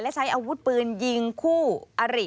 และใช้อาวุธปืนยิงคู่อริ